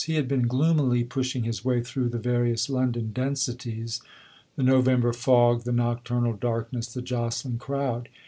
He had been gloomily pushing his way through the various London densities the November fog, the nocturnal darkness, the jostling crowd.